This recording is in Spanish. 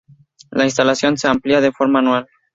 La instalación se amplía de forma anual.